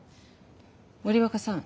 森若さん